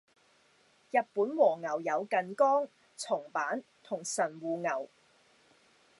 日本和牛有近江、松阪同神戶牛